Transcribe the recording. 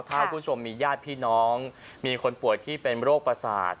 ถ้าคุณผู้ชมมีญาติพี่น้องมีคนป่วยที่เป็นโรคประสาท